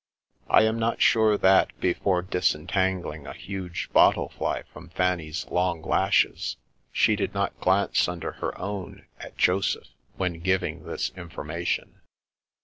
I am not sure that, before disentangling a huge bottle fly from Fanny's long lashes, she did not glance under her own at Joseph, when giving this information.